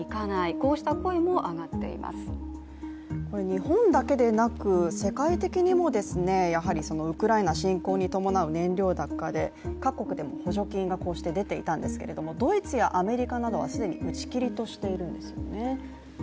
日本だけでなく、世界的にもやはりウクライナ侵攻に伴う燃料高で各国でも補助金がこうして出ていたんですけれどもドイツやアメリカなどは既に打ち切りとしているんですよね。